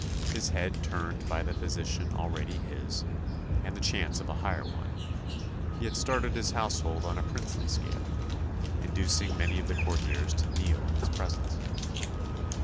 His head turned by the position already his, and the chance of a higher one, he had started his household on a princely scale, inducing many of the courtiers to kneel in his presence.